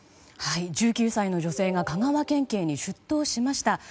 １９歳の女性が香川県警に出頭しました。